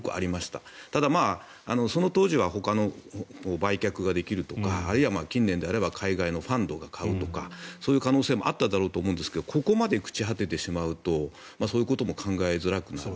ただ、その当時はほかの売却ができるとかあるいは近年であれば海外のファンドが買うとかそういう可能性もあっただろうと思うんですけどここまで朽ち果ててしまうとそういうことも考えづらくなる。